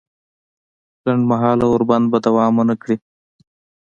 لنډ مهاله اوربند به دوام ونه کړي